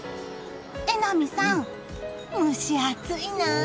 榎並さん、蒸し暑いな。